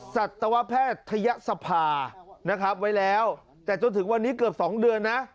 สัตวแพทยศภานะครับไว้แล้วแต่จนถึงวันนี้เกือบ๒เดือนนะ